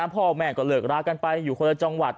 พ่อแม่ก็เลิกรากันไปอยู่คนละจังหวัด